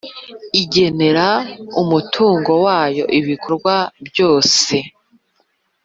Igenera umutungo wayo ibikorwa byose